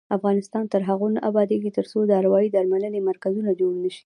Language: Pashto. افغانستان تر هغو نه ابادیږي، ترڅو د اروايي درملنې مرکزونه جوړ نشي.